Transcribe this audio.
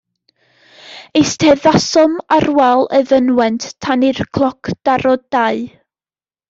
Eisteddasom ar wal y fynwent tan i'r cloc daro dau.